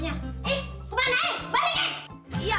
enggak enggak enggak